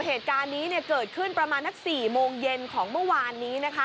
เหตุการณ์นี้เกิดขึ้นประมาณนัก๔โมงเย็นของเมื่อวานนี้นะคะ